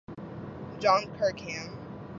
John Kirkham.